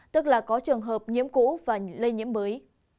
tức là có trường hợp nhiễm cũ và lây nhiễm mới